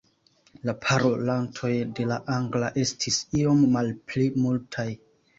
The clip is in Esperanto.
La parolantoj de la angla estis iom malpli multaj.